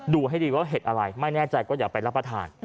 ดูให้ดีว่าเห็ดอะไรไม่แน่ใจก็อยากไปรับประทาน